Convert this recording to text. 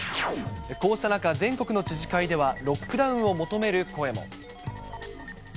こうした中、全国の知事会ではロックダウンを求める声も。